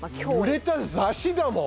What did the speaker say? ぬれた雑誌だもん！